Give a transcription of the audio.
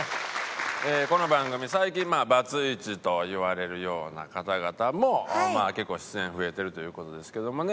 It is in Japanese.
この番組最近バツイチと言われるような方々も結構出演増えてるという事ですけどもね。